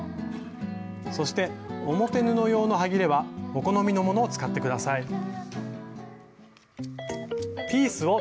そして表布用のはぎれはお好みのものを使ってください。